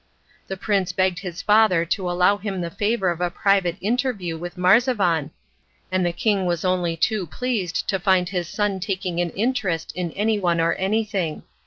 The prince begged his father to allow him the favour of a private interview with Marzavan, and the king was only too pleased to find his son taking an interest in anyone or anything.